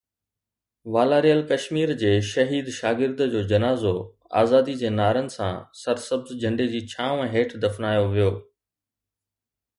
والاريل ڪشمير جي شهيد شاگرد جو جنازو آزادي جي نعرن سان سرسبز جهنڊي جي ڇانو هيٺ دفنايو ويو.